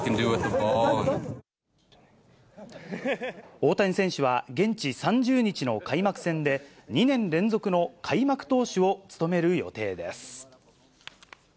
大谷選手は、現地３０日の開幕戦で、２年連続の開幕投手を務める予定です。